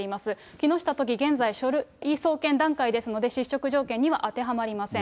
木下都議、現在、書類送検段階ですので、失職条件には当てはまりません。